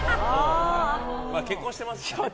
結婚してますしね。